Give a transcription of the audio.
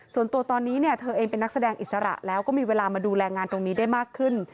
ส่วนตัวตอนนี้เนี่ยเธอเองเป็นนักแสดงอิสระแล้วก็มีเวลามาดูแลงานตรงนี้ได้มากขึ้น